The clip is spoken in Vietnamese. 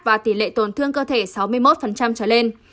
và tỷ lệ tổn thương cơ thể sáu mươi một trở lên